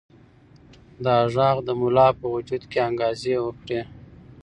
دا غږ د ملا په وجود کې انګازې وکړې.